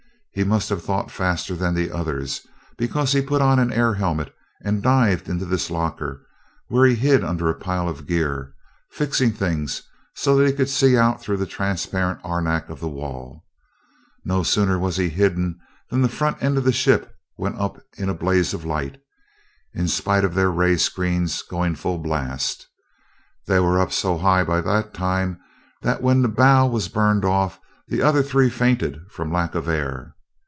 He must have thought faster than the others, because he put on an air helmet and dived into this locker where he hid under a pile of gear, fixing things so that he could see out through the transparent arenak of the wall. No sooner was he hidden that the front end of the ship went up in a blaze of light, in spite of their ray screens going full blast. They were up so high by that time that when the bow was burned off the other three fainted from lack of air.